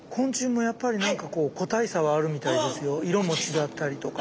色も違ったりとか。